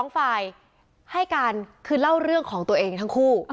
ฝ่ายให้การคือเล่าเรื่องของตัวเองทั้งคู่